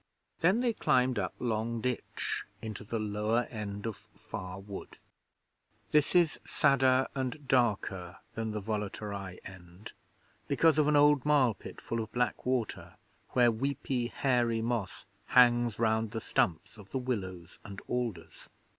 Then they climbed up Long Ditch into the lower end of Far Wood. This is sadder and darker than the Volaterrae end because of an old marlpit full of black water, where weepy, hairy moss hangs round the stumps of the willows and alders.